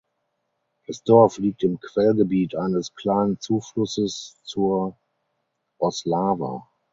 Das Dorf liegt im Quellgebiet eines kleinen Zuflusses zur Oslava.